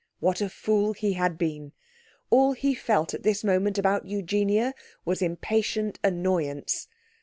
What a fool he had been! All he felt at this moment about Eugenia was impatient annoyance.